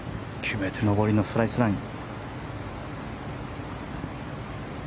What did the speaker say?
約９ｍ上りのスライスライン。